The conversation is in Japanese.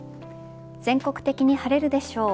全国的に晴れるでしょう。